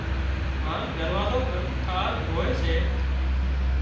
هانَ دروازو بند ٿل هوئي سي